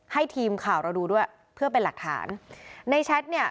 ให้ทีมข่าวเราดูด้วยเพื่อเป็นหลักฐานในแชทเนี่ย